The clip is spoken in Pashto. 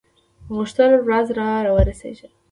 غوښتل ورځ را ورسیږي.